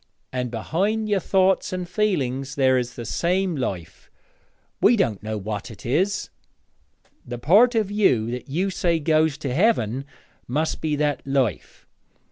And behind your thoughts and feeling there is the same life we don't know what it is. The part of you that you say goes to Heaven must be that life.